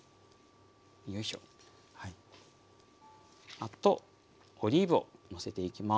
あとオリーブをのせていきます。